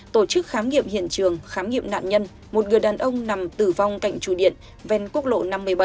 tổ chức khám nghiệm hiện trường khám nghiệm nạn nhân một người đàn ông nằm tử vong cạnh trụ điện ven quốc lộ năm mươi bảy